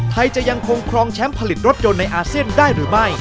จะยังคงครองแชมป์ผลิตรถยนต์ในอาเซียนได้หรือไม่